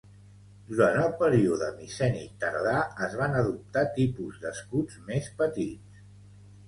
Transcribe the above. Durant el període micènic tardà, es van adoptar tipus d'escuts més petits.